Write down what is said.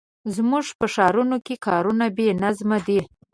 زموږ په ښارونو کې کارونه بې نظمه دي.